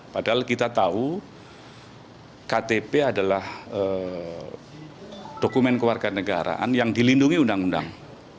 padahal kita tahu ktp adalah dokumen kewarganegaraan yang dilindungi undang undang